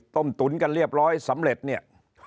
ตุ๋นกันเรียบร้อยสำเร็จเนี่ย